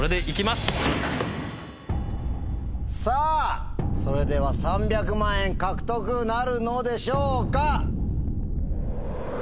さぁそれでは３００万円獲得なるのでしょうか？